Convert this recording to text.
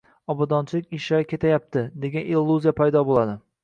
obodonchilik ishlari ketayapti degan illyuziya paydo bo‘ladi.